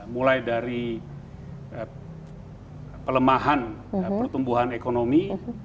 mulai dari pelemahan pertumbuhan ekonomi